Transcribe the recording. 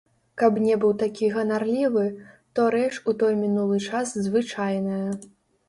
Каб не быў такі ганарлівы, то рэч у той мінулы час звычайная.